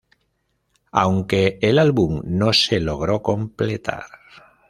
Aunque el álbum no se logró completar.